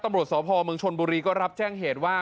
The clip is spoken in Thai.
ตำรวจสพเมืองชนบุรีก็รับแจ้งเหตุว่า